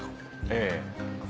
ええ。